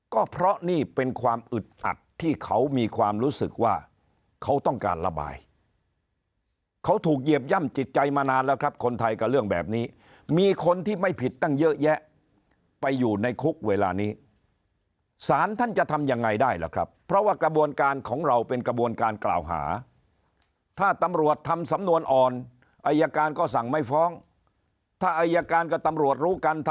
ก็เพราะนี่เป็นความอึดอัดที่เขามีความรู้สึกว่าเขาต้องการระบายเขาถูกเหยียบย่ำจิตใจมานานแล้วครับคนไทยกับเรื่องแบบนี้มีคนที่ไม่ผิดตั้งเยอะแยะไปอยู่ในคุกเวลานี้สารท่านจะทำยังไงได้ล่ะครับเพราะว่ากระบวนการของเราเป็นกระบวนการกล่าวหาถ้าตำรวจทำสำนวนอ่อนอายการก็สั่งไม่ฟ้องถ้าอายการกับตำรวจรู้กันท